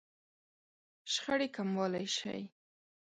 -شخړې کموالی شئ